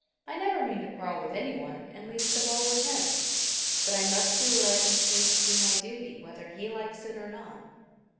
I never mean to quarrel with anyone, and least of all with him. But I must do what I conceive to be my duty whether he likes it or not."